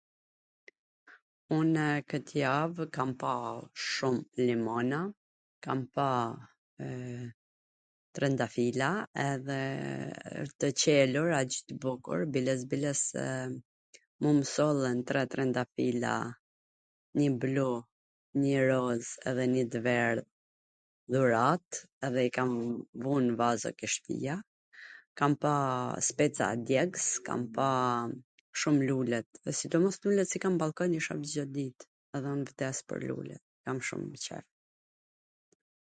Unw kwt javw kam pa shum limona, kam pa trwndafila dhe tw Celur aq bukur, biles biles, se mu m sollwn tre trwndafial, njw blu, njw roz edhe njw t verdh dhurat, edhe i kam vu n vazo ke shpia, kam pa speca djegs, kam pa shum lule dhe sidomoslulet qw kam n ballkon i shof gjith ditwn, un vdew pwr lulet, i kam shum qef.